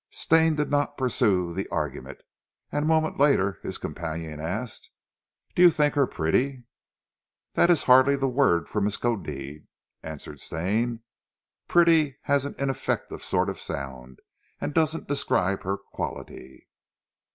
Stane did not pursue the argument, and a moment later his companion asked: "Do you think her pretty?" "That is hardly the word for Miskodeed," answered Stane. "'Pretty' has an ineffective sort of sound, and doesn't describe her quality.